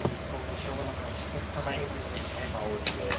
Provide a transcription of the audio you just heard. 香りです。